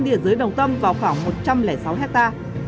ở địa dưới đồng tâm vào khoảng một trăm linh sáu ha